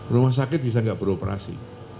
rumah sakit bisa nggak beroperasi